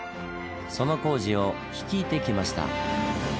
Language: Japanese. その工事を率いてきました。